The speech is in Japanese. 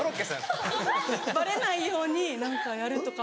バレないように何かやるとか。